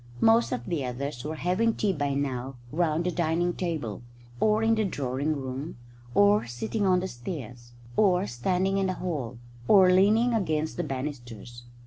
Most of the others were having tea by now round the dining room table, or in the drawing room, or sitting on the stairs, or standing in the hall, or leaning against the banisters.